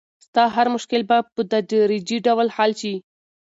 ستا هر مشکل به په تدریجي ډول حل شي.